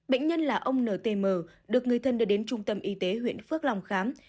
bệnh nhân là ông ntm được người thân đưa đến trung tâm y tế huyện phước long khám